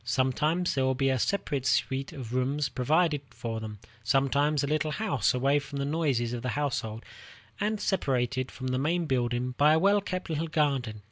Sometimes there will be a separate suite of rooms provided for them; sometimes a little house away from the noises of the household, and separated from the main building by a well kept little garden.